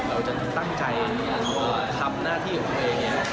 เราจะตั้งใจทำหน้าที่โอเค